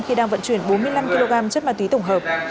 khi đang vận chuyển bốn mươi năm kg chất màu tí tổng hợp